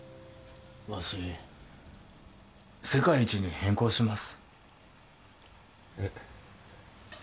わし世界一に変更しますえッ